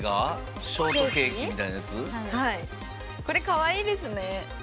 これかわいいですね。